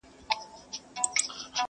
• تا منلی راته جام وي د سرو لبو,